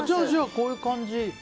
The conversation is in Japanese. じゃあこういう感じ？